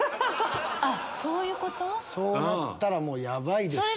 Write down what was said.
あっそういうこと⁉そうなったらもうヤバいです。